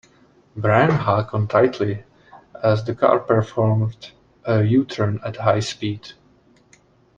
Brian hung on tightly as the car performed a U-turn at high speed.